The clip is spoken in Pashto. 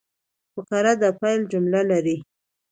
فقره د پیل جمله لري.